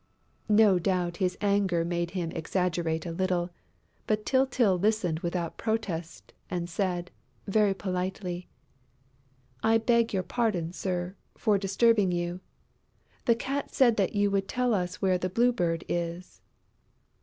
No doubt his anger made him exaggerate a little; but Tyltyl listened without protest and said, very politely: "I beg your pardon, Sir, for disturbing you.... The Cat said that you would tell us where the Blue Bird is."